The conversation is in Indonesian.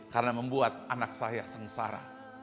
karena membuat anak saya sengsara